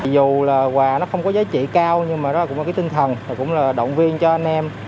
dù quà không có giá trị cao nhưng mà cũng là tinh thần cũng là động viên cho anh em